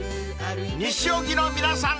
［西荻の皆さん